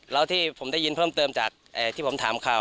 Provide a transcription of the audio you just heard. แล้วที่ผมได้ยินเพิ่มเติมจากที่ผมถามข่าว